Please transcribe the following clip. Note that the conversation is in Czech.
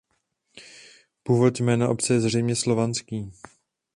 Původ jména obce je zřejmě slovanský.